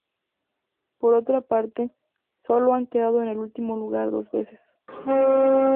Por otra parte, solo han quedado en el último lugar dos veces.